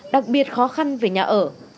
đặc biệt khó khăn về nhà ở